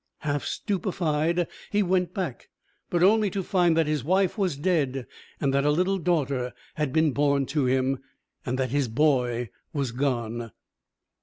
Half stupefied, he went back; but only to find that his wife was dead, that a little daughter had been born to him, and that his boy was gone.